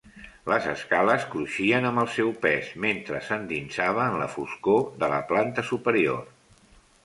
Les escales cruixien amb el seu pes mentre s'endinsava en la foscor de la planta superior.